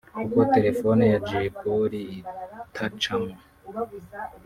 Kuko telefoni ya Jay Polly itacagamo